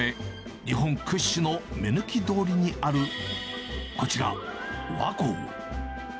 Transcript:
日本屈指の目抜き通りにある、こちら、和光。